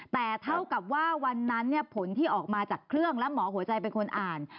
แต่เท่ากับว่าวันนั้นผลที่ออกมาจากเครื่องและหมอหัวใจเป็นคนอ่าน